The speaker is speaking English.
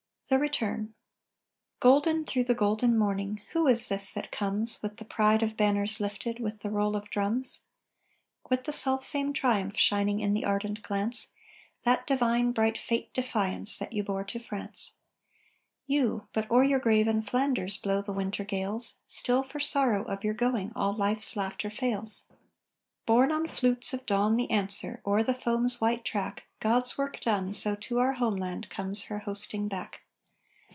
THE RETURN Golden through the golden morning, Who is this that comes With the pride of banners lifted, With the roll of drums? With the self same triumph shining In the ardent glance, That divine, bright fate defiance That you bore to France. You! But o'er your grave in Flanders Blow the winter gales; Still for sorrow of your going All life's laughter fails. Borne on flutes of dawn the answer: "O'er the foam's white track, God's work done, so to our homeland Comes her hosting back.